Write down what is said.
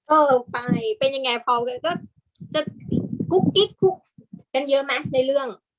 เออไปเป็นยังไงพอก็จะกุ๊กกันเยอะไหมในเรื่อง